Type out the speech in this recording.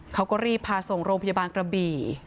เขาก็รีบพาส่งโรงพยาบาลกระบี่